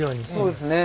そうですね。